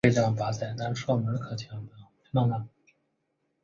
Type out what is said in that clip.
芦名氏的战力因有力家臣金上盛备和佐濑种常等人的战死而受到重大打击。